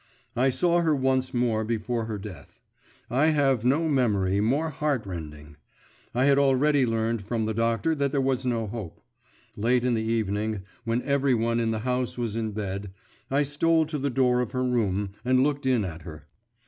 I saw her once more before her death. I have no memory more heart rending. I had already learned from the doctor that there was no hope. Late in the evening, when every one in the house was in bed, I stole to the door of her room and looked in at her.